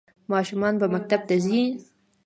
ماشومان به مکتب ته ځي؟